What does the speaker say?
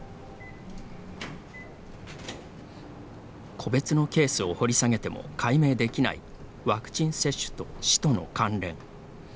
個別のケースを掘り下げても解明できないワクチン接種と死との関連。